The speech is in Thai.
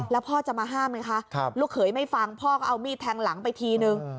แล้วพ่อจะมาห้ามไหมคะลูกเขยไม่ฟังพ่อก็เอามีดแทงหลังไปทีนึง